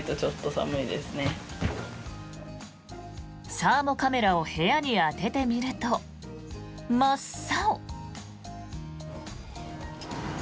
サーモカメラを部屋に当ててみると、真っ青。